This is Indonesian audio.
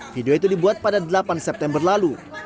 video itu dibuat pada delapan september lalu